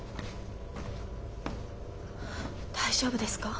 大丈夫ですか？